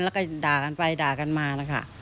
แล้วก็ด่ากันไปด่ากันมานะคะ